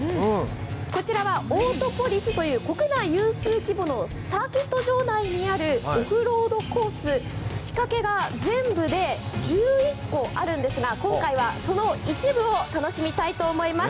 こちらはオートポリスという国内有数規模のサーキット内にあるオフロードコース、仕掛けが全部で１１個あるんですが、今回はその一部を楽しみたいと思います。